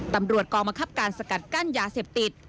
ตำรวจกองบังคับการสกัดกั้นยาเสพติด